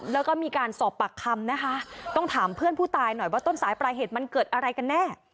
แล้วก็มีการสอบปากคำนะคะต้องถามเพื่อนผู้ตายหน่อยว่าต้นสายปลายเหตุมันเกิดอะไรกันแน่